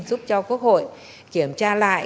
giúp cho quốc hội kiểm tra lại